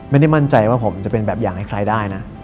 ไม่ได้มั่นใจว่าผมจะเป็นแบบอย่างให้ใครได้นะ